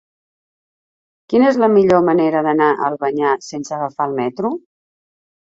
Quina és la millor manera d'anar a Albanyà sense agafar el metro?